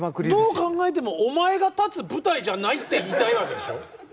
どう考えてもお前が立つ舞台じゃないって言いたいわけでしょ。